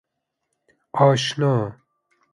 آشنا